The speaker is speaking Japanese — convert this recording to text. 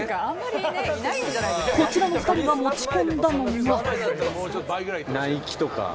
こちらの２人が持ち込んだのは。